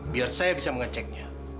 biar saya bisa mengeceknya